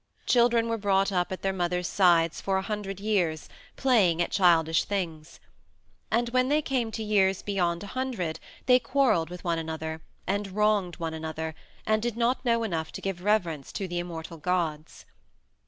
Children were brought up at their mothers' sides for a hundred years, playing at childish things. And when they came to years beyond a hundred they quarreled with one another, and wronged one another, and did not know enough to give reverence to the immortal gods.